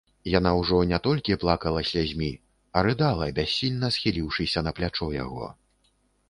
Яна ўжо не толькі плакала слязьмі, а рыдала, бяссільна схіліўшыся на плячо яго.